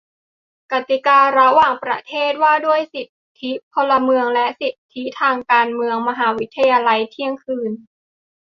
กติการะหว่างประเทศว่าด้วยสิทธิพลเมืองและสิทธิทางการเมือง มหาวิทยาลัยเที่ยงคืน